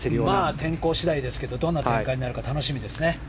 天候次第ですがどんな展開になるか楽しみですね。